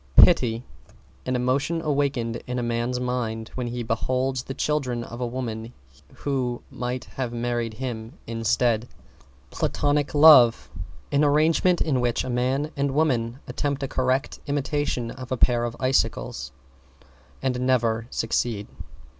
=PITY= An emotion awakened in a man's mind when he beholds the children of a woman who might have married him instead. =PLATONIC LOVE= An arrangement in which a man and woman attempt a correct imitation of a pair of icicles and never succeed.